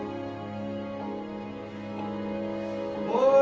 ・おい